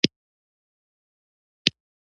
فرض کړئ د یو پانګوال ټوله پانګه سل میلیونه ده